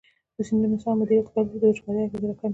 د سیندونو سم مدیریت کولی شي د وچکالۍ اغېزې راکمې کړي.